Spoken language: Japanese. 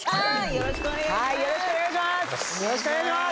よろしくお願いします。